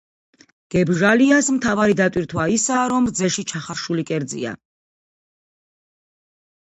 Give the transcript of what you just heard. გებჟალიას მთავარი დატვირთვაა ის, რომ რძეში ჩახარშული კერძია.